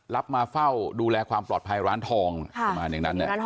รับมาเฝ้าดูแลความปลอดภัยร้านทองประมาณอย่างนั้น